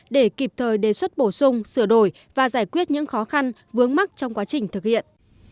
để kịp thời đề xuất bổ sung sửa đổi và giải quyết những khó khăn vướng mắc trong quá trình thực hiện